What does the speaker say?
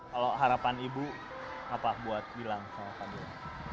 kalau harapan ibu apa buat gilang sama fadilah